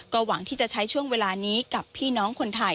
หวังที่จะใช้ช่วงเวลานี้กับพี่น้องคนไทย